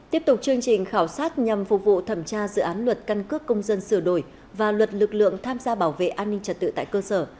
tiếp tục chương trình khảo sát nhằm phục vụ thẩm tra dự án luật căn cước công dân sửa đổi và luật lực lượng tham gia bảo vệ an ninh trật tự tại cơ sở